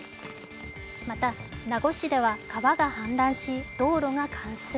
また名護市では川が氾濫し道路が冠水。